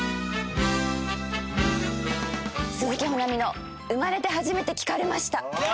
「鈴木保奈美の生まれて初めて聞かれました」